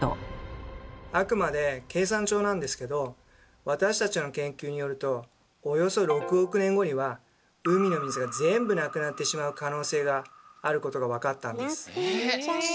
あくまで計算上なんですけど私たちの研究によるとおよそ６億年後には海の水が全部なくなってしまう可能性があることがわかったんです。